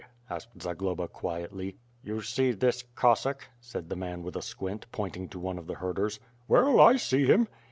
asked Zagloba quietly. "You see this Cossack," said the man with a squint, point ing to one of the herders. "Well, I see him."